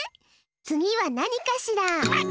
つぎはなにかしら？